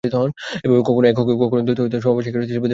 এভাবে কখনো একক, দ্বৈত ও সমবেত কণ্ঠে ছিল শিল্পীদের সংগীত পরিবেশনা।